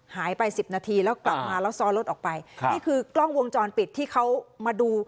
หายไปสิบนาทีแล้วกลับมาแล้วซ้อนรถออกไปครับนี่คือกล้องวงจรปิดที่เขามาดู